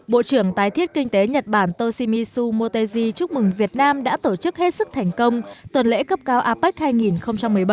bộ trưởng tái thiết kinh tế nhật bản toshimisu motegi chúc mừng việt nam đã tổ chức hết sức thành công tuần lễ cấp cao apec hai nghìn một mươi bảy